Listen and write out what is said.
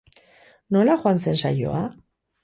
Nola joan zen saioa?